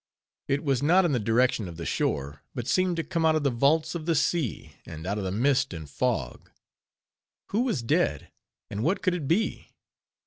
It was not in the direction of the shore; but seemed to come out of the vaults of the sea, and out of the mist and fog. Who was dead, and what could it be?